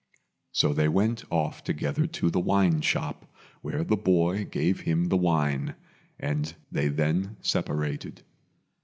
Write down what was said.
So they went off together to the wine shop, where the boy gave him the wine and they then separated.